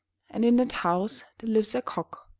And in that house there lives a Cock."